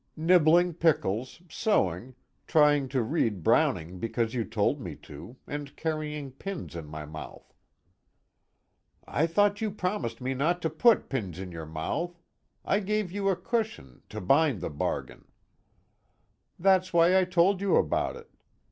"Nibbling pickles, sewing, trying to read Browning because you told me to, and carrying pins in my mouth." "I thought you promised me not to put pins in your mouth. I gave you a cushion, to bind the bargain." "That's why I told you about it.